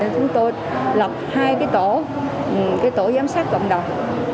chúng tôi lọc hai cái tổ cái tổ giám sát cộng đồng